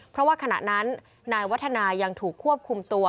เพราะว่าขณะนั้นนายวัฒนายังถูกควบคุมตัว